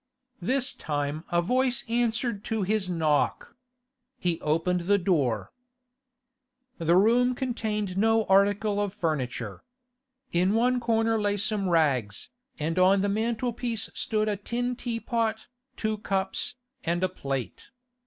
This time a voice answered to his knock. He opened the door. The room contained no article of furniture. In one corner lay some rags, and on the mantel piece stood a tin teapot, two cups, and a plate.